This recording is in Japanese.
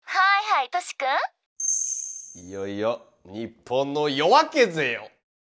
いよいよ日本の夜明けぜよ！